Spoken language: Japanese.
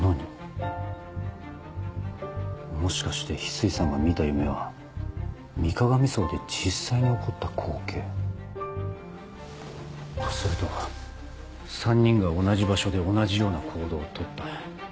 もしかして翡翠さんが見た夢は水鏡荘で実際に起こった光景？とすると３人が同じ場所で同じような行動をとった。